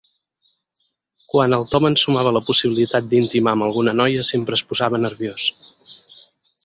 Quan el Tom ensumava la possibilitat d'intimar amb alguna noia sempre es posava nerviós.